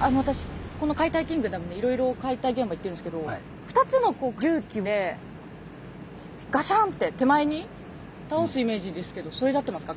私この「解体キングダム」でいろいろ解体現場行ってるんですけど２つの重機でガシャンって手前に倒すイメージですけどそれで合ってますか？